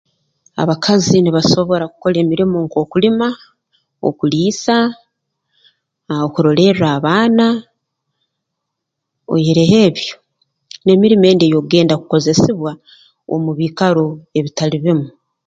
Abakazi nibasobora kukora emirimo nk'okulima okuliisa aah okurolerra abaana oihireho ebyo n'emirimo endi ey'okugenda kukozesibwa omu biikaro ebitali bimu